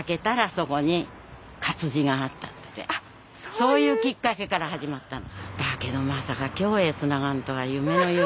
そういうきっかけから始まったの。